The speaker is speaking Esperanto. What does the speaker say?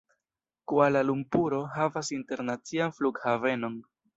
Kuala-Lumpuro havas internacian flughavenon.